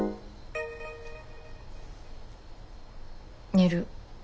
寝る。